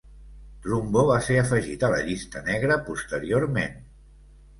Trumbo va ser afegit a la llista negra posteriorment.